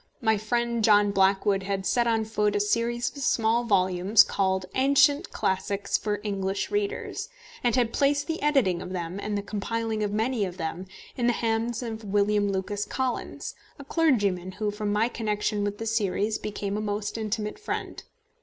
My friend John Blackwood had set on foot a series of small volumes called Ancient Classics for English Readers, and had placed the editing of them, and the compiling of many of them, in the hands of William Lucas Collins, a clergyman who, from my connection with the series, became a most intimate friend.